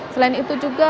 selain itu juga